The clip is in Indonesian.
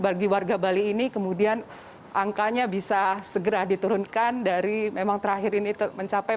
bagi warga bali ini kemudian angkanya bisa segera diturunkan dari memang terakhir ini mencapai